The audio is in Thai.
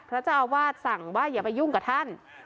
เจ้าอาวาสสั่งว่าอย่าไปยุ่งกับท่าน